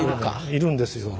要るんですよ。